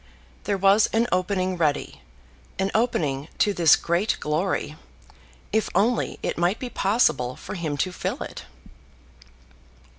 There was an opening ready, an opening to this great glory, if only it might be possible for him to fill it!